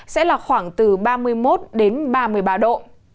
sẽ là khoảng từ ba mươi một đến ba mươi ba độ